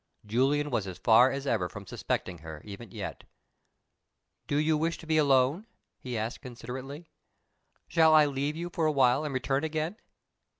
Julian was as far as ever from suspecting her, even yet. "Do you wish to be alone?" he asked, considerately. "Shall I leave you for a while and return again?"